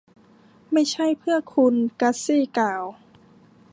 ไม่ใช่เพื่อคุณ. กัซซี่กล่าว